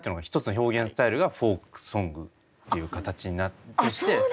一つの表現スタイルがフォークソングっていう形になってって。